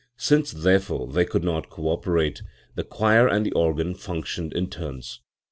Since therefore they could not cooperate, the choir and the organ functioned in turns.